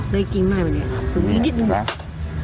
เลยจริงมากเลยนะครับสูงอีกนิดหนึ่ง